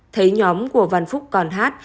thấy nhóm của văn phúc còn hát